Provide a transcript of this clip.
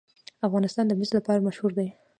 افغانستان د مس لپاره مشهور دی.